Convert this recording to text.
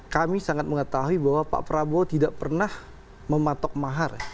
kami sangat mengetahui bahwa pak prabowo tidak pernah mematok mahar